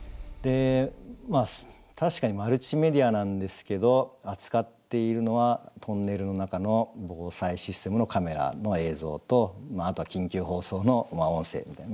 まあ確かにマルチメディアなんですけど扱っているのはトンネルの中の防災システムのカメラの映像とあとは緊急放送の音声みたいな。